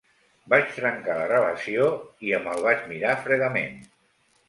Vaig trencar la relació i em el vaig mirar fredament.